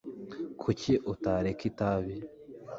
kuki utareka itabi